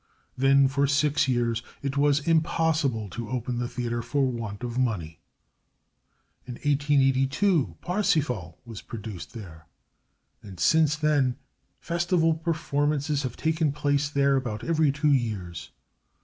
Then for six years it was impossible to open the theater for want of money. In 1882 Parsifal was produced there, and since then festival performances have taken place there about every two years.